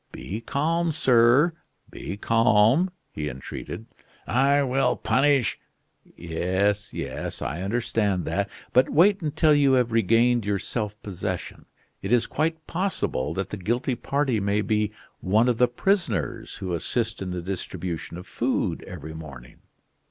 "Be calm, sir; be calm," he entreated. "I will punish " "Yes, yes I understand that but wait until you have regained your self possession. It is quite possible that the guilty party may be one of the prisoners who assist in the distribution of food every morning."